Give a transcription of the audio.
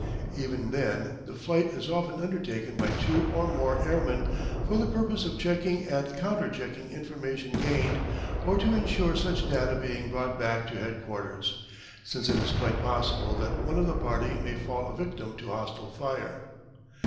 Even then the flight is often undertaken by two or more airmen for the purpose of checking and counterchecking information gained, or to ensure such data being brought back to headquarters, since it is quite possible that one of the party may fall a victim to hostile fire.